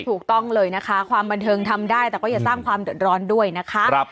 ถูกต้องเลยนะคะความบันเทิงทำได้แต่ก็อย่าสร้างความเดือดร้อนด้วยนะคะ